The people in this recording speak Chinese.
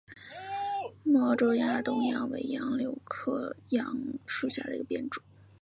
毛轴亚东杨为杨柳科杨属下的一个变种。